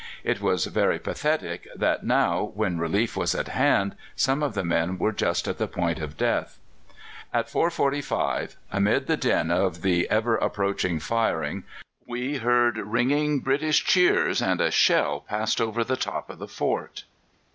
It was very pathetic that now, when relief was at hand, some of the men were just at the point of death. "At 4.45, amid the din of the ever approaching firing, we heard ringing British cheers, and a shell passed over the top of the fort.